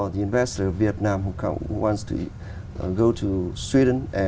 nhưng tôi nghĩ giáo dục của tôi là